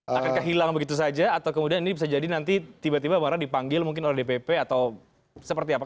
akankah hilang begitu saja atau kemudian ini bisa jadi nanti tiba tiba bang ra dipanggil mungkin oleh dpp atau seperti apa